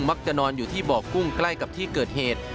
นอนอยู่ที่บ่อกุ้งใกล้กับที่เกิดเหตุ